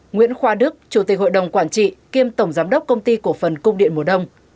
nguyễn khoa đức chủ tịch hội đồng quản trị kiêm tổng giám đốc công ty cổ phần cung điện mùa đông